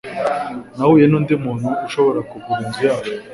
Nahuye nundi muntu ushobora kugura inzu yacu.